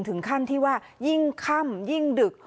ถึงขั้นที่ว่ายิ่งค่ำยิ่งดึก